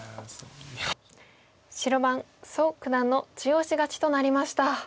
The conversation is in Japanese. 白番蘇九段の中押し勝ちとなりました。